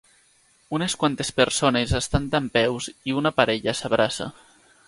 Unes quantes persones estan dempeus i una parella s'abraça.